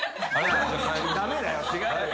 だめだよ、違うよ。